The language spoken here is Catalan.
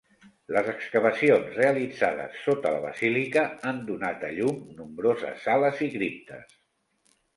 Les excavacions realitzades sota la basílica han donat a llum nombroses sales i criptes.